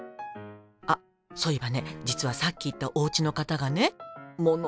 あっそういえばね実はさっき行ったおうちの方がねもの